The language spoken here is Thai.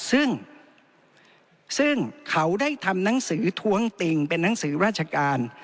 ซึ่งซึ่งเขาได้ทำหนังสือท้วงติงเป็นหนังสือราชการ